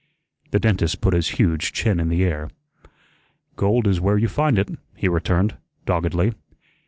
The dentist put his huge chin in the air. "Gold is where you find it," he returned, doggedly.